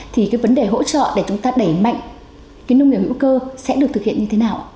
thì cái vấn đề hỗ trợ để chúng ta đẩy mạnh cái nông nghiệp hữu cơ sẽ được thực hiện như thế nào